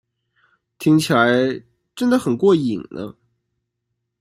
听起来真得很过瘾呢